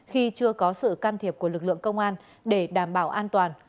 khi chưa có sự can thiệp của lực lượng công an để đảm bảo an toàn